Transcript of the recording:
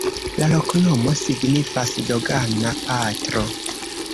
La loknomo signifas: dogana-patro.